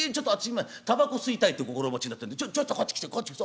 今たばこ吸いたいって心持ちになってんでちょっとこっち来てこっち来て。